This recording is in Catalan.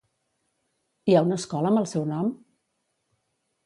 Hi ha una escola amb el seu nom?